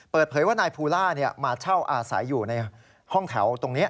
เปิดเผยว่านายภูล่ามาเช่าอาศัยอยู่ในห้องแถวตรงนี้